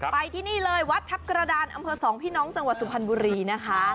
ไปที่นี่เลยวัดทัพกระดานอำเภอสองพี่น้องจังหวัดสุพรรณบุรีนะคะ